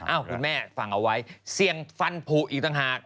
คุณแม่ฟังเอาไว้เสี่ยงฟันผูอีกต่างหาก